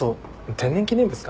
天然記念物か？